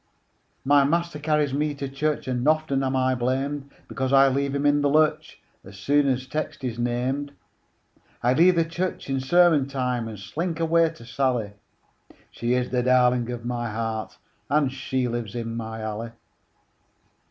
My master carries me to church, And often am I blamèd Because I leave him in the lurch As soon as text is namèd; I leave the church in sermon time And slink away to Sally; She is the darling of my heart, And she lives in our alley.